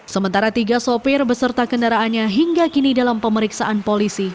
sementara tiga sopir beserta kendaraannya hingga kini dalam pemeriksaan polisi